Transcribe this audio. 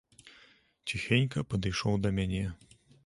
Ціхенька падышоў да мяне.